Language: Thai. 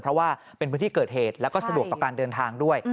เพราะว่าเป็นพื้นที่เกิดเหตุแล้วก็สะดวกต่อการเดินทางด้วย